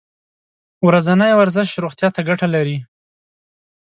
ورځنی ورزش روغتیا ته ګټه لري.